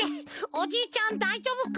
おじいちゃんだいじょうぶか？